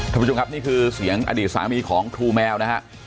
ท่านผู้ชมครับนี่คือเสียงอดีตสามีของครูแมวนะฮะ